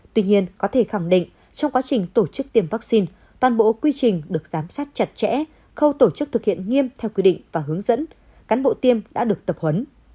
tuy nhiên có thể khẳng định trong quá trình tổ chức tiêm vaccine toàn bộ quy trình được giám sát chặt chẽ khâu tổ chức thực hiện nghiêm theo quy định và hướng dẫn cán bộ tiêm đã được tập huấn